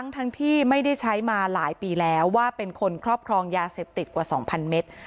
ทั้งที่ไม่ได้ใช้มาหลายปีแล้วว่าเป็นคนครอบครองยาเสพติดกว่า๒๐๐เมตร